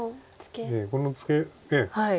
このツケ。